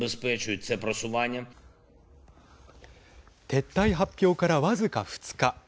撤退発表から僅か２日。